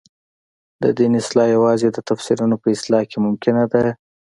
د دین اصلاح یوازې د تفسیرونو په اصلاح کې ممکنه ده.